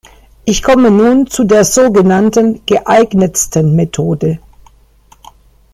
Ich komme nun zu der sogenannten "geeignetsten Methode" .